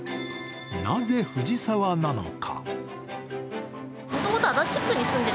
なぜ藤沢なのか。